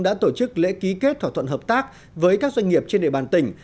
đã tổ chức lễ ký kết thỏa thuận hợp tác với các doanh nghiệp trên địa bàn tỉnh